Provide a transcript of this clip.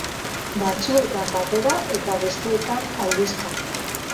Batzuetan batera eta besteetan aldizka.